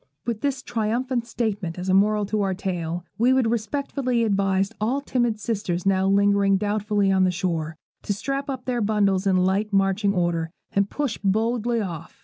With this triumphant statement as a moral to our tale, we would respectfully advise all timid sisters now lingering doubtfully on the shore, to strap up their bundles in light marching order, and push boldly off.